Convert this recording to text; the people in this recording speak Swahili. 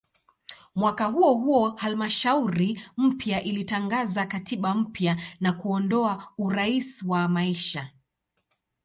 Mwaka huohuo halmashauri mpya ilitangaza katiba mpya na kuondoa "urais wa maisha".